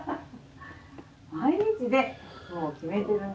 毎日ねもう決めてる。